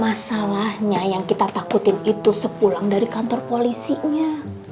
masalahnya yang kita takutin itu sepulang dari kantor polisinya